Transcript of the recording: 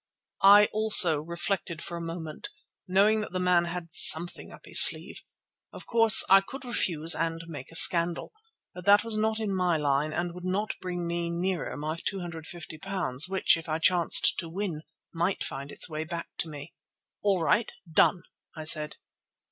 I also reflected for a moment, knowing that the man had something up his sleeve. Of course, I could refuse and make a scandal. But that was not in my line, and would not bring me nearer my £250, which, if I chanced to win, might find its way back to me. "All right, done!" I said.